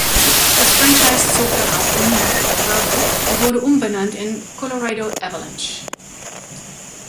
Das Franchise zog dann auch um nach Colorado und wurde umbenannt in Colorado Avalanche.